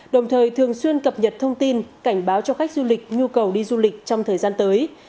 đồng thời thường xuyên cập nhật thông tin cảnh báo cho khách du lịch nhu cầu đi du lịch trong thời gian tới